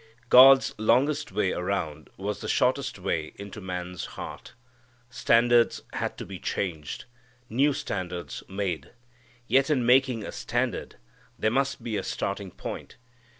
God's longest way around was the shortest way into man's heart. Standards had to be changed. New standards made. Yet in making a standard there must be a starting point.